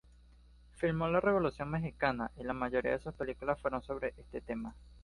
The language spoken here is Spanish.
Filmó la Revolución mexicana y la mayoría de sus películas fueron sobre este tema.